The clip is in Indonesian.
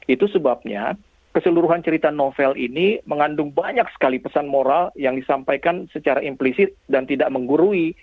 itu sebabnya keseluruhan cerita novel ini mengandung banyak sekali pesan moral yang disampaikan secara implisit dan tidak menggurui